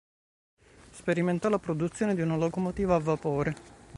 Sperimentò la produzione di una locomotiva a vapore.